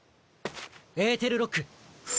エーテルロック。